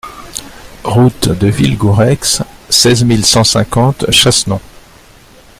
Route de Villegoureix, seize mille cent cinquante Chassenon